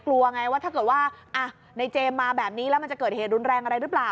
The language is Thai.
กลัวไงว่าถ้าเกิดว่าในเจมส์มาแบบนี้แล้วมันจะเกิดเหตุรุนแรงอะไรหรือเปล่า